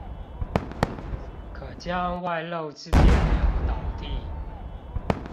可將外漏之電流導地